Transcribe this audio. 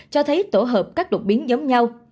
cho thấy tổ hợp các đột biến giống nhau